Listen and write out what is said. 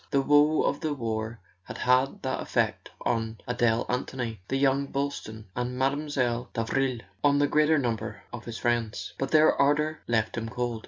The woe of the war had had that effect on Adele Anthony, on young Boylston, on Mile. Davril, on the greater number of his friends. But their ardour left him cold.